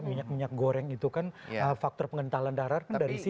minyak minyak goreng itu kan faktor pengentalan darah kan dari situ